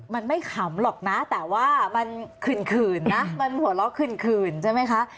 มันไม่ขำหรอกนะแต่ว่ามันขื่นนะมันหัวเราะขื่นใช่ไหมคะ